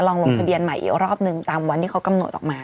ลงทะเบียนใหม่อีกรอบนึงตามวันที่เขากำหนดออกมา